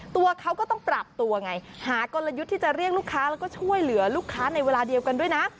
ตัวเขาก็ต้องปรับตัวไงหากลยุทธ์ที่จะเรียกลูกค้าแล้วก็ช่วยเหลือลูกค้าในเวลาเดียวกันด้วยนะ